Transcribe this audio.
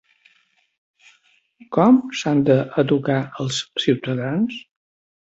Com s'han d'educar els ciutadans?